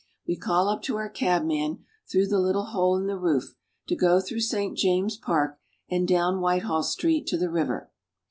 We call up to our cabman through the little hole in the roof to go through St. James's Park, and down Whitehall Street to the river.